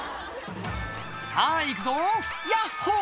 「さぁいくぞヤッホ！」